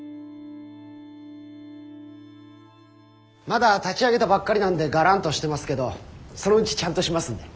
まだ立ち上げたばっかりなんでガランとしてますけどそのうちちゃんとしますんで。